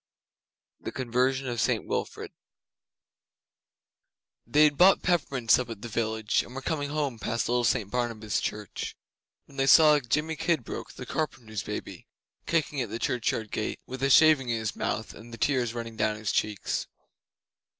The Conversion of St Wilfrid They had bought peppermints up at the village, and were coming home past little St Barnabas' Church, when they saw Jimmy Kidbrooke, the carpenter's baby, kicking at the churchyard gate, with a shaving in his mouth and the tears running down his cheeks.